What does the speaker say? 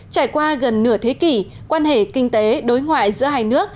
trải qua gần nửa thế kỷ quan hệ kinh tế đối ngoại giữa hai nước